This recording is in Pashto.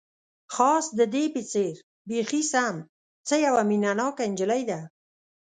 خاص د دې په څېر، بیخي سم، څه یوه مینه ناکه انجلۍ ده.